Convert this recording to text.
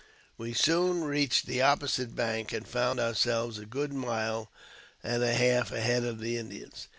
We soon reached the opposite bank, and found ourselves a. good mile and a half ahead of the Indians.